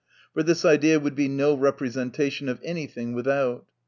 For this idea would be no representation of any thing without.